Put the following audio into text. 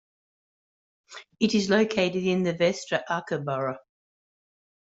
It is located in the Vestre Aker borough.